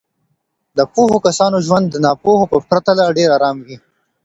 د پوهو کسانو ژوند د ناپوهو په پرتله ډېر ارام وي.